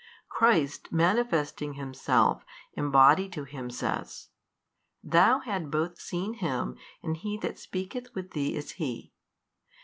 Christ |230 manifesting Himself embodied to him says, Thou had both seen Him and He That speaketh with thee is He.